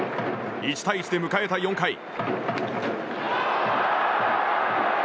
１対１で迎えた４回。